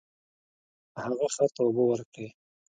هغه خر ته اوبه ورکړې.